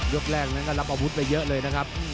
แรกนั้นก็รับอาวุธไปเยอะเลยนะครับ